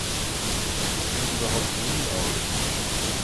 Ich ging überhaupt nie aus.